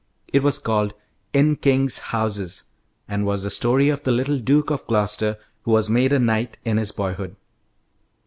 It was called "In Kings' Houses," and was the story of the little Duke of Gloster who was made a knight in his boyhood.